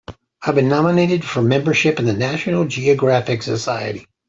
I've been nominated for membership in the National Geographic Society.